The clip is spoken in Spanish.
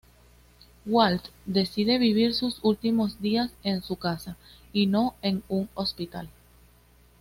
Walt decide vivir sus últimos días en su casa, y no en un hospital.